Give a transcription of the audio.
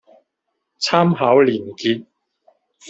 参考连结